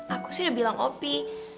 aku sih udah bilang kopi